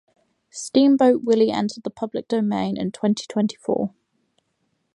Steamboat Willie entered the public domain in twenty twenty-four.